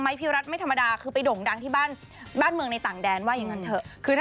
พี่รัฐไม่ธรรมดาคือไปด่งดังที่บ้านเมืองในต่างแดนว่าอย่างนั้นเถอะ